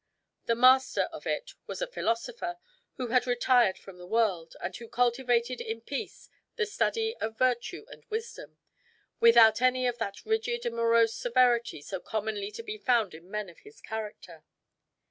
The master of it was a philosopher, who had retired from the world, and who cultivated in peace the study of virtue and wisdom, without any of that rigid and morose severity so commonly to be found in men of his character.